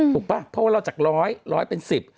ป่ะเพราะว่าเราจากร้อยร้อยเป็นสิบ